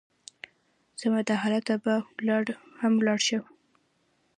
سمه ده، هلته به هم ولاړ شو.